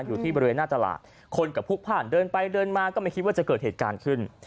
อยู่ที่บริเวณหน้าตลาดคนก็พลุกผ่านเดินไปเดินมาก็ไม่คิดว่าจะเกิดเหตุการณ์ขึ้น